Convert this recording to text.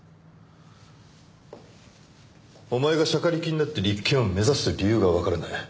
お前がしゃかりきになって立件を目指す理由がわからない。